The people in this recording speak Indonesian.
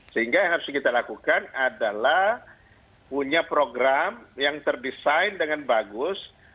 sehingga yang harus kita lakukan adalah punya program yang terdesain dengan bagus